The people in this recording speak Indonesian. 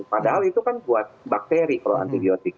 padahal itu kan buat bakteri kalau antibiotik